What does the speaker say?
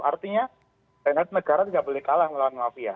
artinya renat negara tidak boleh kalah melawan mafia